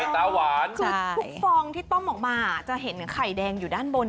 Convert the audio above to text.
เมื่อกี้พุกฟองที่ต้องเอามาจะเห็นไข่แดงอยู่ด้านบน